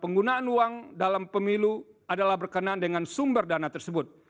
penggunaan uang dalam pemilu adalah berkenaan dengan sumber dana tersebut